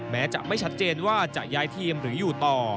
แม้จะไม่ชัดเจนว่าจะย้ายทีมหรืออยู่ต่อ